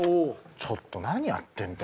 ちょっと何やってんだよ。